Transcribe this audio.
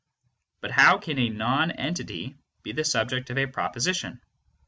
But how can a non entity be the subject of a proposition?